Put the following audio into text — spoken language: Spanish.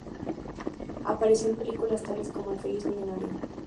Apareció en películas tales como "El feliz millonario".